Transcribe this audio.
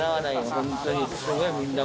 本当に。